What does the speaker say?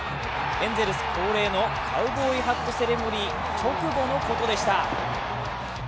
エンゼルス恒例のカーボーイハットセレモニー直後のことでした。